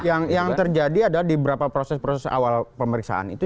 yang terjadi adalah di beberapa proses proses awal pemeriksaan itu